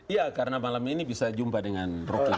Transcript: iya karena malam ini bisa jumpa dengan rocky